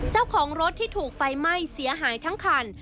เจ้าของรถที่ถูกไฟไหม้เสียหายทั้งคัน